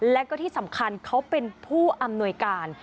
และก็ที่สำคัญเขาเป็นผู้อำนวยการ